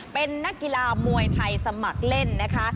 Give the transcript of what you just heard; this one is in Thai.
เป็นนักกีฬามวยไทยสมัครเล่นนะคะ